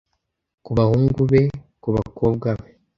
ku bahungu be ku bakobwa be